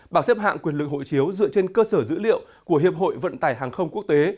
bảng xếp hạng quyền lực hộ chiếu dựa trên cơ sở dữ liệu của hiệp hội vận tải hàng không quốc tế